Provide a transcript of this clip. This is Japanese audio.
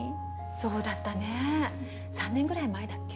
そうだったね３年ぐらい前だっけ？